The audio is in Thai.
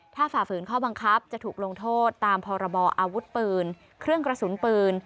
ถ้าฝ่าฝืนข้อบังคับจะถูกลงโทษตามพรบออาวุธปืนเครื่องกระสุนปืน